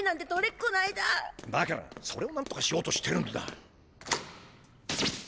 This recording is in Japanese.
だからそれをなんとかしようとしてるんだ。